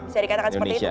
saya dikatakan seperti itu